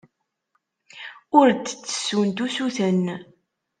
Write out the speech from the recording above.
Ur d-ttessunt usuten.